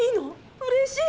うれしい！